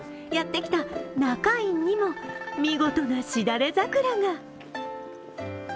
やってきた中院にも見事な、しだれ桜が。